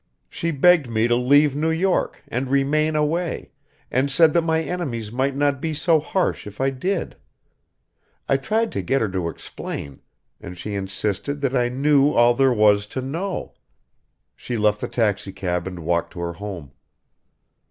She begged me to leave New York and remain away, and said that my enemies might not be so harsh if I did. I tried to get her to explain, and she insisted that I knew all there was to know. She left the taxicab and walked to her home."